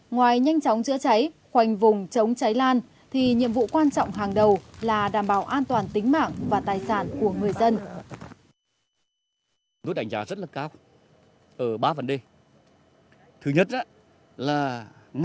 ngoài nhanh chóng chữa cháy khoanh vùng chống cháy lan thì nhiệm vụ quan trọng hàng đầu là đảm bảo an toàn tính mạng và tài sản của người dân